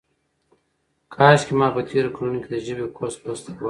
کاشکې ما په تېرو کلونو کې د ژبې کورس لوستی وای.